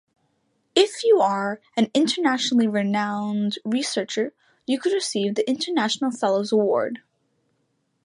If you are an internationally renowned researcher, you could receive the International Fellows Award.